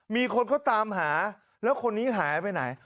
มีคนเขาตามหาแล้วคนนี้หายไปไหน